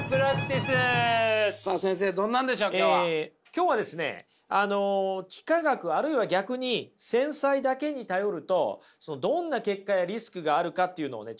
今日はですね幾何学あるいは逆に繊細だけに頼るとどんな結果やリスクがあるかっていうのをね